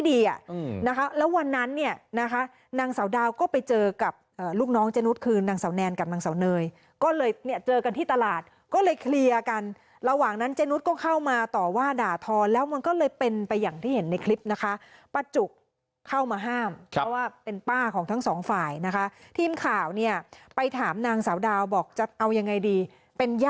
ดีอ่ะอืมนะคะแล้ววันนั้นเนี่ยนะคะนางสาวดาวก็ไปเจอกับลูกน้องเจนุสคือนางสาวแนนกับนางเสาเนยก็เลยเนี่ยเจอกันที่ตลาดก็เลยเคลียร์กันระหว่างนั้นเจนุสก็เข้ามาต่อว่าด่าทอแล้วมันก็เลยเป็นไปอย่างที่เห็นในคลิปนะคะป้าจุกเข้ามาห้ามเพราะว่าเป็นป้าของทั้งสองฝ่ายนะคะทีมข่าวเนี่ยไปถามนางสาวดาวบอกจะเอายังไงดีเป็นย